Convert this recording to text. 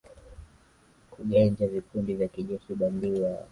kugenja vikundi vya kijeshi bandia